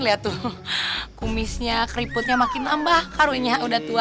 lihat tuh kumisnya keriputnya makin tambah karunya udah tua